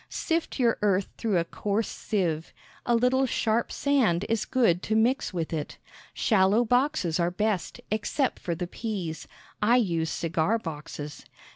Sift your earth through a coarse sieve. A little sharp sand is good to mix with it. Shallow boxes are best, except for the peas. I use cigar boxes.